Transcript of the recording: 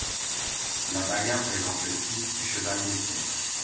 L'Abaga présente le type du cheval des steppes.